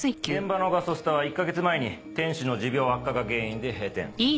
現場のガソスタは１か月前に店主の持病悪化が原因で閉店。